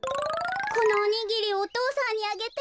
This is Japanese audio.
このおにぎりお父さんにあげて。